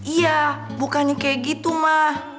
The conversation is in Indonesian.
iya bukannya kayak gitu mah